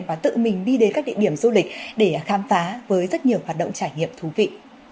và tự mình đi đến các địa điểm du lịch để khám phá với rất nhiều hoạt động trải nghiệm thú vị